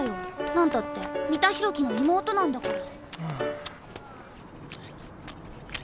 なんたって三田浩樹の妹なんだから。